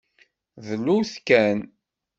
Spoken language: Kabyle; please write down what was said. Dlut kan.